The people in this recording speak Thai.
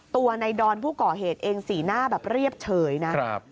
ตัวในดอนผู้ก่อเหตุเองสีหน้าแบบเรียบเฉยนะครับ